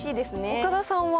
岡田さんは。